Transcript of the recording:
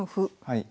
はい。